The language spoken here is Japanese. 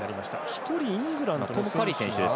１人、イングランドの選手が。